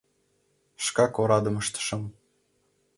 Шкак орадым ыштышым.